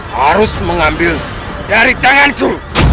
harus mengambil dari tanganku